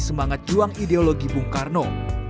semangat juang ideologi bung karno